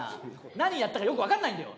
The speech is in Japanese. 何やったかよく分かんないんだよ。